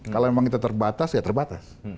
kalau memang kita terbatas ya terbatas